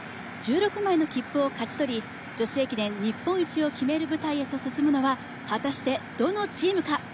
１６枚の切符を勝ち取り、女子駅伝日本一を決める舞台へと進むのは果たして、どのチームか。